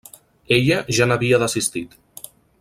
Ella ja n’havia desistit.